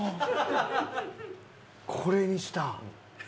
これにした？